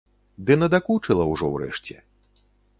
Ды надакучыла ўжо ўрэшце.